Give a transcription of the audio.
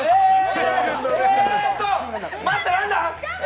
待って、何だ？